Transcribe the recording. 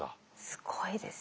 すごいです。